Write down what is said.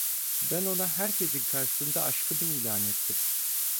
Ben ona herkesin karşısında aşkımı ilan ettim.